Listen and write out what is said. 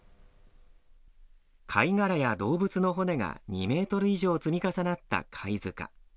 貝殻や動物の骨が２メートル以上積み重なった貝塚。